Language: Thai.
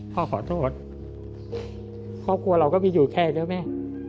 พ่อขอโทษครอบครัวเราก็ไม่อยู่แค่เดี๋ยวแม่